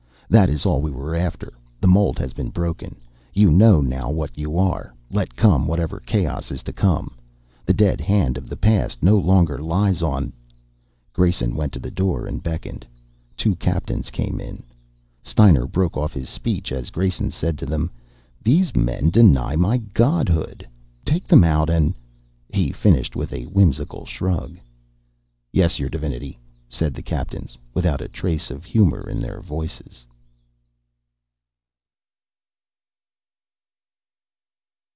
That is all we were after. The mould has been broken, you know now what you are. Let come whatever chaos is to come; the dead hand of the past no longer lies on "Grayson went to the door and beckoned; two captains came in. Steiner broke off his speech as Grayson said to them: "These men deny my godhood. Take them out and " he finished with a whimsical shrug. "Yes, your divinity," said the captains, without a trace of humor in their voices.